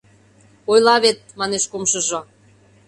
— Ойла вет! — манеш кумшыжо.